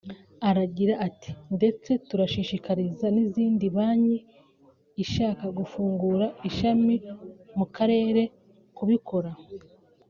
Aragira ati “ndetse turashishikariza n’indi banki ishaka gufungura ishami mu karere kubikora